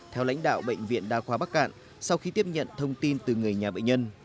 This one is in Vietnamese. theo lãnh đạo bệnh viện đa khoa bắc cạn sau khi tiếp nhận thông tin từ người nhà bệnh nhân